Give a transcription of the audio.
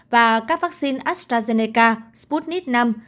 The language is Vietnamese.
và các vaccine astrazeneca sputnik v